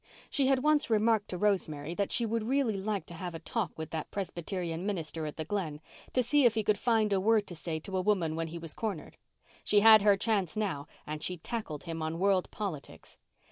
She had once remarked to Rosemary that she would really like to have a talk with that Presbyterian minister at the Glen, to see if he could find a word to say to a woman when he was cornered. She had her chance now and she tackled him on world politics.